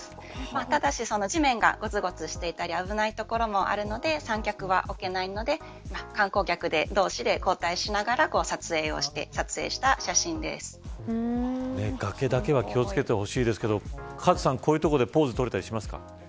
ただし、地面がごつごつしていたり危ない所もあるので三脚は置けないので観光客同士で崖だけは気を付けてほしいですけどカズさん、こういう所でポーズ取れたりしますか。